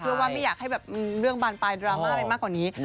เพื่อว่าไม่อยากให้แบบเรื่องบานปลายดราม่าไปมากกว่านี้